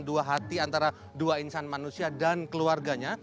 dua hati antara dua insan manusia dan keluarganya